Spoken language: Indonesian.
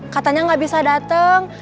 katanya gak bisa dateng